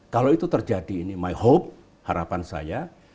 kalau itu terjadi ini my hope harapan saya